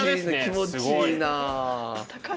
気持ちいいな。